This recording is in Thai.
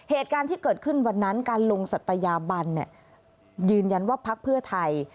เหตุการณ์ที่เกิดขึ้นวันนั้นการลงศัตยาบันยืนยันว่าพักเพื่อไทย